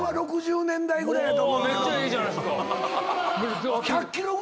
めっちゃいいじゃないすか！